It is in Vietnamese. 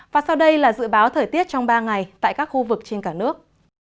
và sau đây là dự báo thời tiết trong ba ngày tại các khu vực trên cả nước